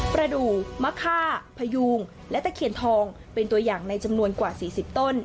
ประดูกมะค่าพยูงและตะเคียนทองเป็นตัวอย่างในจำนวนกว่า๔๐ต้น